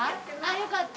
よかった。